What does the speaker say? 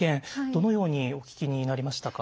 どのようにお聞きになりましたか？